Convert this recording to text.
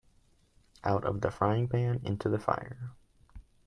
Out of the frying-pan into the fire.